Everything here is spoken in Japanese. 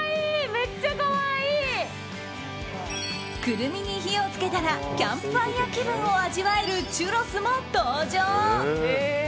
クルミに火を付けたらキャンプファイア気分を味わえるチュロスも登場。